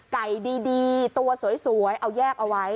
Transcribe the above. ไก่ดีตัวสวยเอาแยกเอาไว้